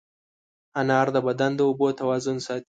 انار د بدن د اوبو توازن ساتي.